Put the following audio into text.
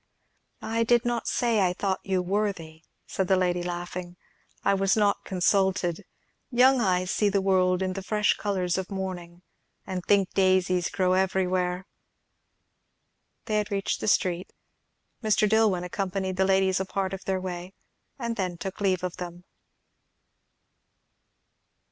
"I did not say I thought you worthy," said the lady, laughing; "I was not consulted. Young eyes see the world in the fresh colours of morning, and think daisies grow everywhere." They had reached the street. Mr. Dillwyn accompanied the ladies a part of their way, and then took leave of them.